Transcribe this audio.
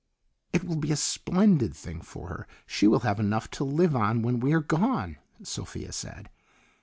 "It will be a splendid thing for her; she will have enough to live on when we are gone," Sophia said.